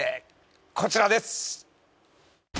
こちらです。